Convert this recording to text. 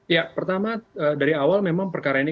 ya pertama dari awal memang perkara ini